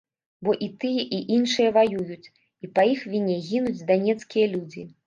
Бо і тыя і іншыя ваююць, і па іх віне гінуць данецкія людзі.